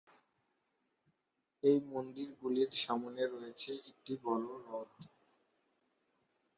এই মন্দিরগুলির সামনে রয়েছে একটি বড়ো হ্রদ।